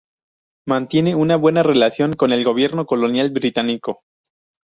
Mantiene una buena relación con el gobierno colonial británico.